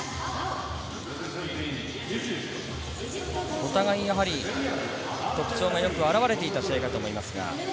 お互い特徴がよく表れていた試合だと思います。